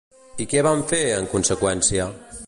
I què van fer, en conseqüència?